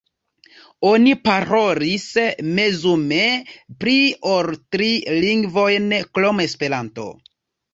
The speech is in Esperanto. Oni parolis mezume pli ol tri lingvojn krom Esperanto.